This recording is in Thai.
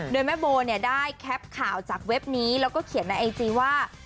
โดยแม่โบเนี่ยได้แคปข่าวจากเว็บนี้แล้วก็เขียนในไอจีว่า